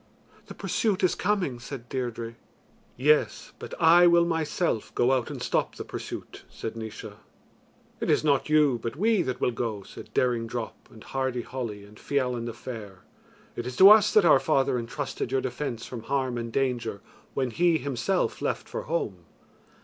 "The pursuit is coming," said Deirdre. "Yes, but I will myself go out and stop the pursuit," said Naois. "It is not you, but we that will go," said Daring Drop, and Hardy Holly, and Fiallan the Fair; "it is to us that our father entrusted your defence from harm and danger when he himself left for home."